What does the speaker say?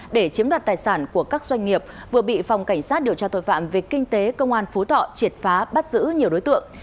để chiếm đoạt tài sản của các doanh nghiệp vừa bị phòng cảnh sát điều tra tội phạm về kinh tế công an phú thọ triệt phá bắt giữ nhiều đối tượng